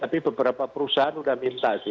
tapi beberapa perusahaan sudah minta sih